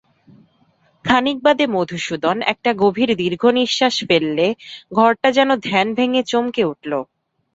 খানিক বাদে মধুসূদন একটা গভীর দীর্ঘনিশ্বাস ফেললে, ঘরটা যেন ধ্যান ভেঙে চমকে উঠল।